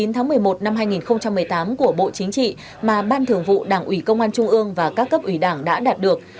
chín tháng một mươi một năm hai nghìn một mươi tám của bộ chính trị mà ban thường vụ đảng ủy công an trung ương và các cấp ủy đảng đã đạt được